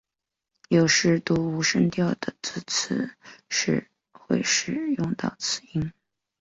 有时读无声调的字词时会使用到此音。